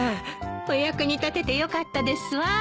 お役に立ててよかったですわ。